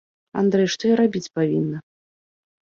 Андрэй, што я рабіць павінна?